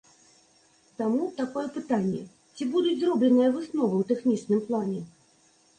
Таму, такое пытанне, ці будуць зробленыя высновы ў тэхнічным плане.